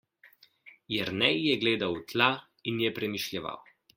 Jernej je gledal v tla in je premišljeval.